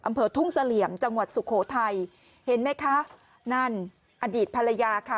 อำเภอทุ่งเสลี่ยมจังหวัดสุโขทัยเห็นไหมคะนั่นอดีตภรรยาค่ะ